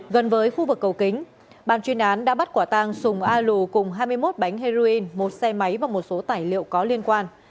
gần với khu vực cầu kính bàn chuyên án đã bắt quả tang sùng a lù cùng hai mươi một bánh heroin một xe máy và một số tài liệu có liên quan